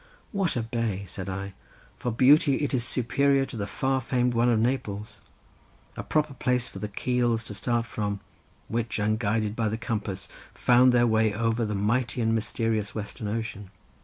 "What a bay!" said I, "for beauty it is superior to the far famed one of Naples. A proper place for the keels to start from, which unguided by the compass found their way over the mighty and mysterious Western Ocean."